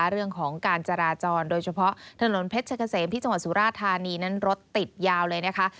เรื่องของการจราจรโดยเฉพาะถนนเพชรเกษมที่จังหวัดสุราธานีนั้นรถติดยาวเลยนะคะ